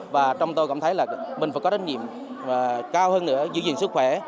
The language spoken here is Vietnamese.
và trong tôi cảm thấy là mình phải có trách nhiệm cao hơn nữa giữ gìn sức khỏe